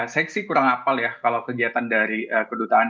saya sih kurang hafal ya kalau kegiatan dari kedutaan